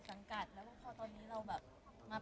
บางทีเค้าแค่อยากดึงเค้าต้องการอะไรจับเราไหล่ลูกหรือยังไง